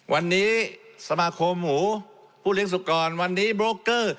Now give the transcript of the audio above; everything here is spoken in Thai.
วันนี้สมาคมหมูผู้เลี้ยสุกรวันนี้โบรกเกอร์